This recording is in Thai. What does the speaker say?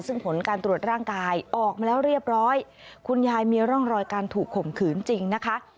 ซึ่งผลการตรวจร่างกายออกมาแล้วเรียบร้อยคุณยายมีร่องรอยการถูกข่มขืนจริงนะคะ